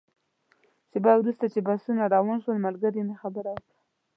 شېبه وروسته چې بسونه روان شول، ملګري مې خبره وکړه.